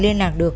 liên lạc được